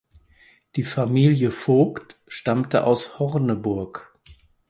Die Familie Voigt stammte aus Horneburg.